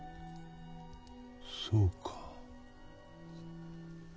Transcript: そうか。